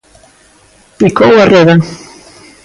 Picou a roda.